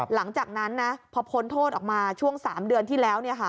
หลังจากนั้นพอพ้นโทษออกมาช่วง๓เดือนที่แล้ว